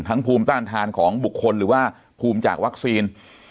ภูมิต้านทานของบุคคลหรือว่าภูมิจากวัคซีน